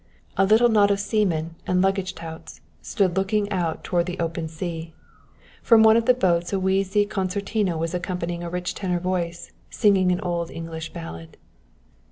A little knot of seamen and luggage touts stood looking out towards the open sea. From one of the boats a wheezy concertina was accompanying a rich tenor voice singing an old English ballad.